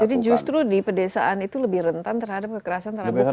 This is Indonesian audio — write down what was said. jadi justru di pedesaan itu lebih rentan terhadap kekerasan terhadap anak anak